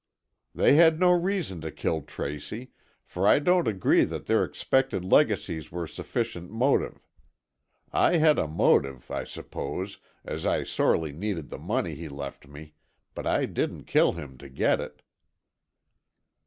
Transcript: They had no reason to kill Tracy, for I don't agree that their expected legacies were sufficient motive. I had a motive, I suppose, as I sorely needed the money he left me, but I didn't kill him to get it."